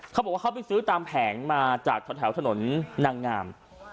เขาบอกว่าเขาไปซื้อตามแผงมาจากแถวถนนนางงาม